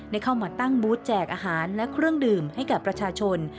ได้เข้ามาตั้งบูธแจกอาหารและเครื่องดื่มให้กับประชาชน